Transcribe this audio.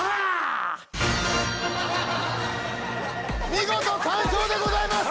見事完奏でございます